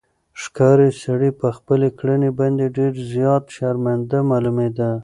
ښکاري سړی په خپلې کړنې باندې ډېر زیات شرمنده معلومېده.